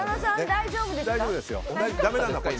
大丈夫ですよ。